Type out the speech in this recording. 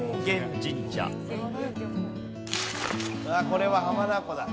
これは浜名湖だ。